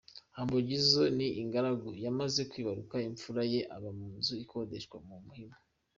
Humble Jizzo, ni ingaragu, yamaze kwibaruka imfura ye, aba mu nzu akodesha ku Muhima.